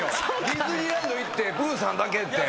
ディズニーランド行ってプーさんだけって。